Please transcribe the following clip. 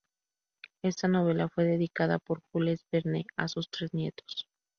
Esta novela fue dedicada por Jules Verne a sus tres nietos.